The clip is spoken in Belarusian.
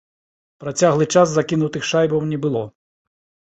Працяглы час закінутых шайбаў не было.